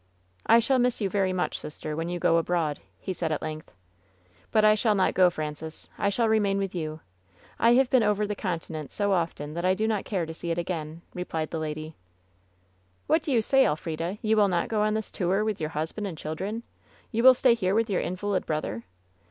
"I shall miss you very much, sister, when you go abroad," he said at length. "But I shall not go, Francis. I shall remain with you. I have been over the continent so often that I do not care to see it again," replied the lady. LOVE'S BITTEREST CUP 301 ^'Wliat do you say, Elf rida ? You will not go on this tour with your husband and children ? You will stay here with your invalid brother